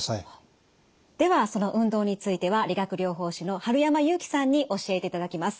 ではその運動については理学療法士の春山祐樹さんに教えていただきます。